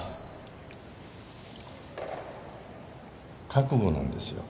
覚悟なんですよ。